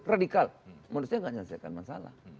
radikal manusia tidak menyelesaikan masalah